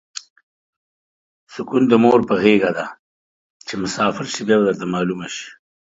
سوکون د مور په غیګه ده چی مسافر شی بیا به درته معلومه شی